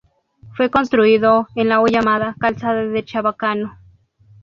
Fue construido en la hoy llamada "Calzada de Chabacano".